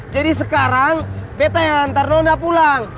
jadi sekarang beta yang antar nona pulang